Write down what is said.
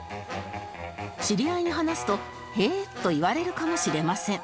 知り合いに話すと「へえ」と言われるかもしれません